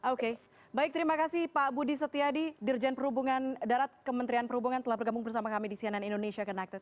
oke baik terima kasih pak budi setiadi dirjen perhubungan darat kementerian perhubungan telah bergabung bersama kami di cnn indonesia connected